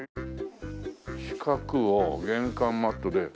四角を玄関マットで。